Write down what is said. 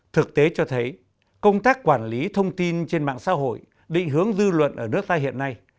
thực tế cho thấy công tác quản lý thông tin trên mạng xã hội định hướng dư luận ở nước ta hiện nay